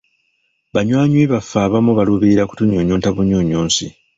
Banywanyi baffe abamu baluubirira kutunyunyunta bunyunyusi.